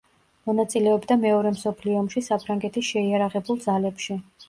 მონაწილეობდა მეორე მსოფლიო ომში საფრანგეთის შეიარაღებულ ძალებში.